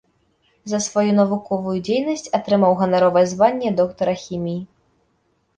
За сваю навуковую дзейнасць атрымаў ганаровае званне доктара хіміі.